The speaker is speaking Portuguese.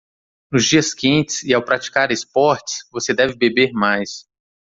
Nos dias quentes e ao praticar esportes, você deve beber mais.